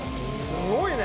すごいね。